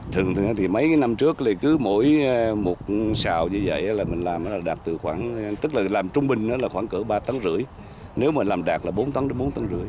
thường thường thì mấy cái năm trước thì cứ mỗi một xào như vậy là mình làm đạt từ khoảng tức là làm trung bình là khoảng cỡ ba tấn rưỡi nếu mà làm đạt là bốn tấn bốn tấn rưỡi